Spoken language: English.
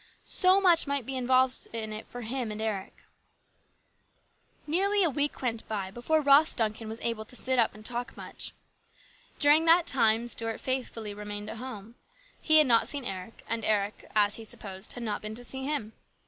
So much might be involved in it for him and Eric. Nearly a week went by before Ross Duncan was able to sit up and talk much. During that time Stuart faithfully remained at home. He had not seen Eric, and Eric, as he supposed, had not been to see him.